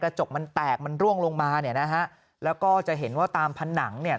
จกมันแตกมันร่วงลงมาเนี่ยนะฮะแล้วก็จะเห็นว่าตามผนังเนี่ย